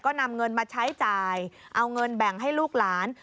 ก็นำเงินมาใช้จ่ายเอาเงินแบ่งให้ลูกหลาน